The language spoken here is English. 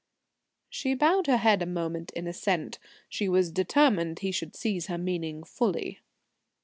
She bowed her head a moment in assent. She was determined he should seize her meaning fully.